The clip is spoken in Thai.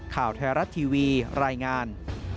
ข่าวไทยรัฐทีวีรายงาน